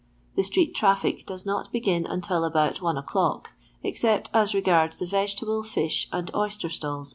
The stree^traffic does not begin until about one o'clock, except as regards the vegetable, fish, and oyster stalls, &c.